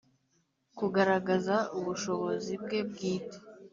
kugaragaza ubushobozi bwe bwite